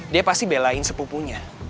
dia pasti belain sepupunya